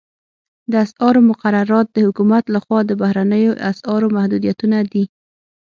د اسعارو مقررات د حکومت لخوا د بهرنیو اسعارو محدودیتونه دي